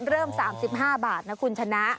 เริ่ม๓๕บาทนะคุณชนะ